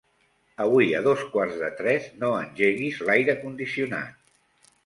Avui a dos quarts de tres no engeguis l'aire condicionat.